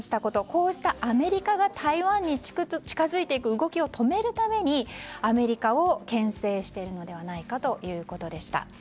こうしたアメリカが台湾に近づいていく動きを止めるためにアメリカを牽制しているのではないかということでした。